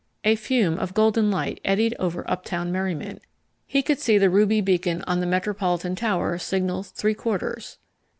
A fume of golden light eddied over uptown merriment: he could see the ruby beacon on the Metropolitan Tower signal three quarters.